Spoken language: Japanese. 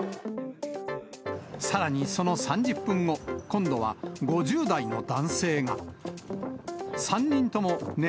さらにその３０分後、今度は５０代の男性が。